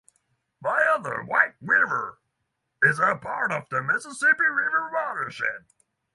Via the White River, it is part of the Mississippi River watershed.